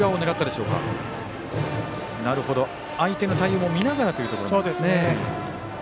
相手の対応も見ながらというところですね。